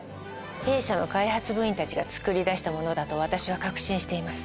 弊社の開発部員たちが作り出したものだと私は確信しています。